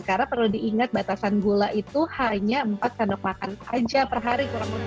karena perlu diingat batasan gula itu hanya empat kandung makan aja per hari